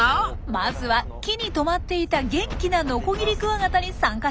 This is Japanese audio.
まずは木にとまっていた元気なノコギリクワガタに参加してもらいます。